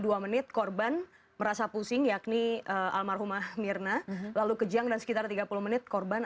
dua menit korban merasa pusing yakni almarhumah mirna lalu kejang dan sekitar tiga puluh menit korban